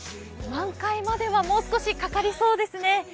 満開まではもう少しかかりそうですね。